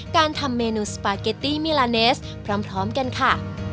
การทำเมนูสปาเกตตี้มิลาเนสพร้อมกันค่ะ